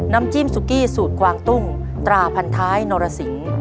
น้ำจิ้มสุกี้สูตรกวางตุ้งตราพันท้ายนรสิง